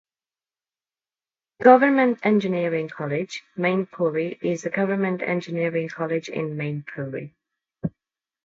Government Engineering College, Mainpuri is a government engineering college in Mainpuri.